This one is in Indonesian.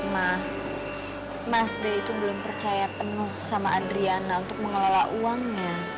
mas bra itu belum percaya penuh sama adriana untuk mengelola uangnya